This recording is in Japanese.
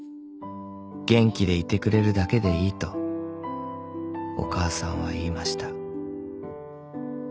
「げんきでいてくれるだけでいいとおかあさんはいいました」